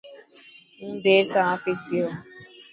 هون دير سان آفيس گيو.